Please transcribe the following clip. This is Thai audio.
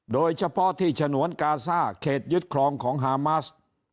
โดยเฉพาะที่ฉนวนกาซ่าเขตยึดครองของฮามาส